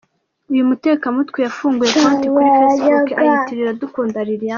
Uyu mutekamutwe yafunguye konti kuri Facebook ayitirira Iradukunda Liliane.